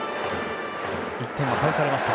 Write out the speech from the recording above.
１点を返されました。